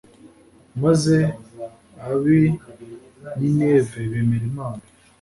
maze ab i nineve bemera imana